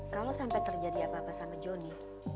kalo sampe terjadi apa apa sama joni